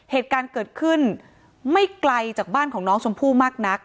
เหตุการณ์เกิดขึ้นไม่ไกลจากบ้านของน้องชมพู่มากนัก